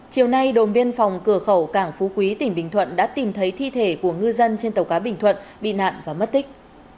chiều nay đồn biên phòng cửa khẩu cảng phú quý tỉnh bình thuận đã tìm thấy thi thể của ngư dân trên tàu cá bình thuận bị nạn và mất tích